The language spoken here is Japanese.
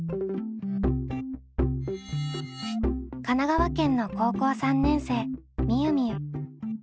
神奈川県の高校３年生みゆみゆ。